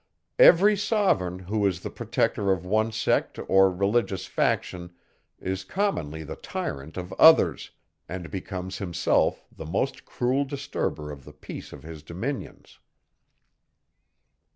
Every sovereign, who is the protector of one sect or religious faction, is commonly the tyrant of others, and becomes himself the most cruel disturber of the peace of his dominions.